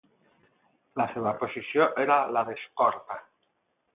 La seva posició era la d'escorta.